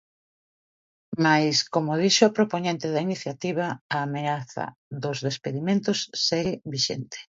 Mais, como dixo a propoñente da iniciativa, a ameaza dos despedimentos segue vixente.